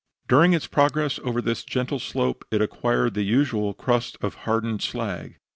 During its progress over this gentle slope, it acquired the usual crust of hardened slag.